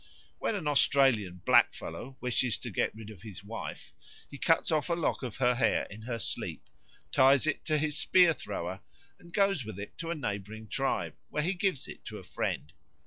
When an Australian blackfellow wishes to get rid of his wife, he cuts off a lock of her hair in her sleep, ties it to his spear thrower, and goes with it to a neighbouring tribe, where he gives it to a friend.